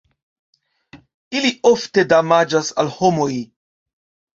Ili ofte damaĝas al homoj.